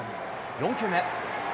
４球目。